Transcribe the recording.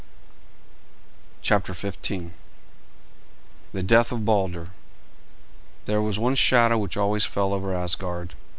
CHAPTER XV THE DEATH OF BALDER There was one shadow which always fell over Asgard.